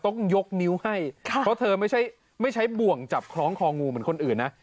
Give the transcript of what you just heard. ต้องยกนิ้วให้เพราะเธอไม่ใช่ไม่ใช้บ่วงจับคล้องคองูเหมือนคนอื่นนะ